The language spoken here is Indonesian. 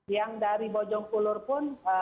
yang dari bojongkulur pun